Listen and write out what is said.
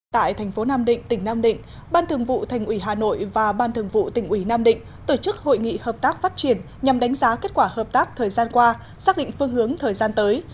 tại thành phố nam định tỉnh nam định ban thường vụ thành ủy hà nội và ban thường vụ tỉnh ủy nam định tổ chức hội nghị hợp tác phát triển nhằm đánh giá kết quả hợp tác thời gian qua xác định phương hướng thời gian tới